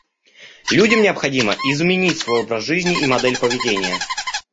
Людям необходимо изменить свой образ жизни и модель поведения.